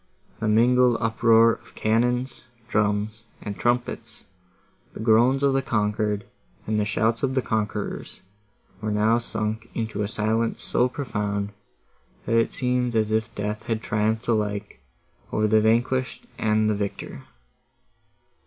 The mingled uproar of cannon, drums, and trumpets, the groans of the conquered, and the shouts of the conquerors were now sunk into a silence so profound, that it seemed as if death had triumphed alike over the vanquished and the victor.